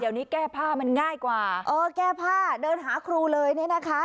เดี๋ยวนี้แก้ผ้ามันง่ายกว่าเออแก้ผ้าเดินหาครูเลยเนี่ยนะคะ